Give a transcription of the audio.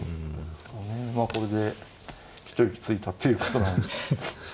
まあこれで一息ついたっていうことなんですね。